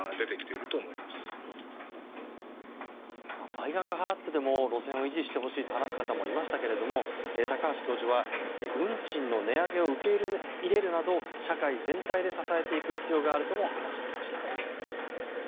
倍額払ってでも路線を維持してほしいと話す方もいましたけど高橋教授は運賃の値上げを受け入れるなど社会全体で支えていく必要があるとも話していました。